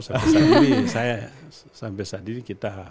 sampai saat ini kita